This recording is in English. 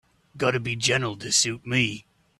Gotta be gentle to suit me.